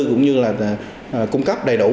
cũng như là cung cấp đầy đủ